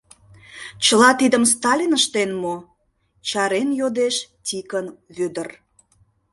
— Чыла тидым Сталин ыштен мо? — чарен йодеш Тикын Вӧдыр.